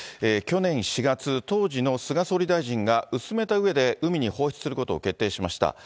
去年４月、当時の菅総理大臣が薄めたうえで海に放出することを決定しました。